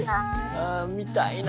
あ見たいな。